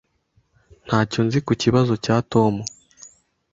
Ntacyo nzi ku kibazo cya Tom.